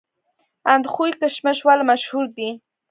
اندخوی کشمش ولې مشهور دي؟